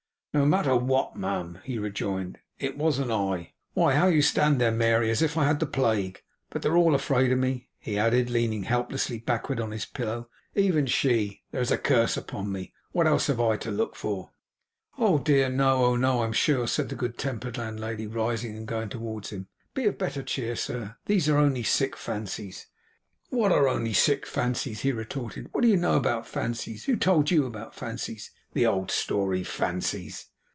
'No matter what, ma'am,' he rejoined: 'it wasn't I. Why how you stand there, Mary, as if I had the plague! But they're all afraid of me,' he added, leaning helplessly backward on his pillow; 'even she! There is a curse upon me. What else have I to look for?' 'Oh dear, no. Oh no, I'm sure,' said the good tempered landlady, rising, and going towards him. 'Be of better cheer, sir. These are only sick fancies.' 'What are only sick fancies?' he retorted. 'What do you know about fancies? Who told you about fancies? The old story! Fancies!